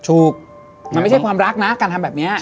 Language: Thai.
ถูกมันไม่ใช่ความรักนะการทำแบบนี้